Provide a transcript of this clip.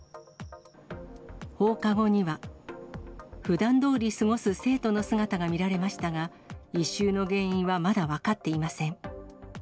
放課後には。ふだんどおり過ごす生徒の姿が見られましたが、異臭の原因はまだ分かっていません。